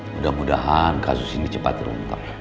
mudah mudahan kasus ini cepat terungkap